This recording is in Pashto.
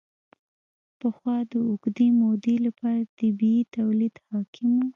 پخوا د اوږدې مودې لپاره طبیعي تولید حاکم و.